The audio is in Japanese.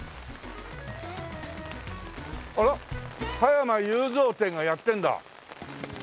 あら「加山雄三展」がやってんだ。